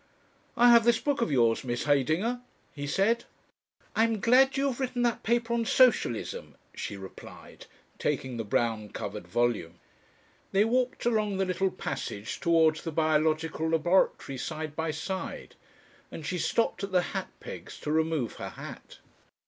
"I have this book of yours, Miss Heydinger," he said. "I am glad you have written that paper on Socialism," she replied, taking the brown covered volume. They walked along the little passage towards the biological laboratory side by side, and she stopped at the hat pegs to remove her hat.